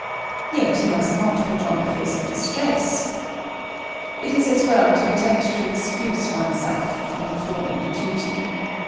Yet must he not put on a face of distress. It is as well to attempt to excuse oneself from performing the duty.